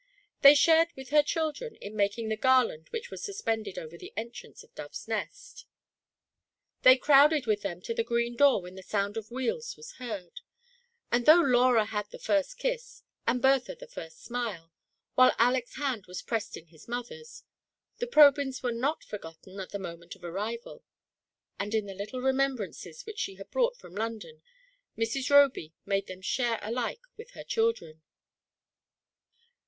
They shared with her children in making the garland which was suspended over the entrance of Dove's Nest ; they crowded with them to the green door when the sound of wheels was heard ; and though Laura had the first kiss, and Bertha the first smile, while Aleck's hand was pressed in his mother's, the Probyns were not forgotten at the moment of arrival ; and in the little remembrances which she had brought from London, Mrs. Roby made them share alike with her children.